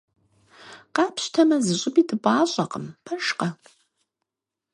Къапщтэмэ, зыщӀыпӀи дыпӀащӀэкъым, пэжкъэ?!